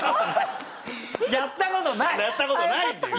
やった事ないんだよね？